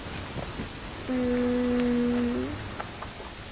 うん。